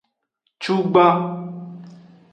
Cugban.